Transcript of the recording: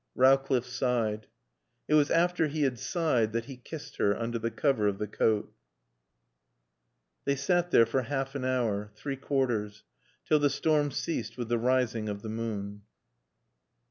Rowcliffe sighed. It was after he had sighed that he kissed her under the cover of the coat. They sat there for half an hour; three quarters; till the storm ceased with the rising of the moon.